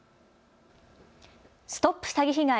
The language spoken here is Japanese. ＳＴＯＰ詐欺被害！